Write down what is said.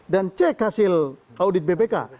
dan cek hasil audit bpk